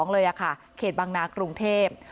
เลยค่ะเขตบางนากรุงเทพ